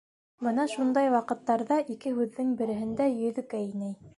Бына шундай ваҡыттарҙа ике һүҙҙең береһендә Йөҙөкәй инәй: